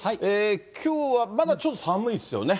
きょうはまだちょっと寒いですよね。